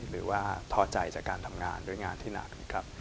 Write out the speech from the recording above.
หรือว่าท้อใจจากการทำงานด้วยงานที่หนักครับ